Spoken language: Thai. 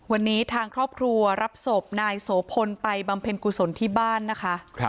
วันนี้ทางครอบครัวรับศพนายโสพลไปบำเพ็ญกุศลที่บ้านนะคะ